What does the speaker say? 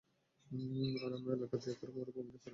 আর আমরা এলাকা ত্যাগ করে মরুভূমিতে পড়ে আছি।